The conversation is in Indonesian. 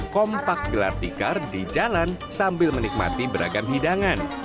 kompak gelar tikar di jalan sambil menikmati beragam hidangan